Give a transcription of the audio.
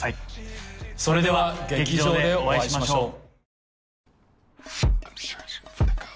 それでは劇場でお会いしましょう。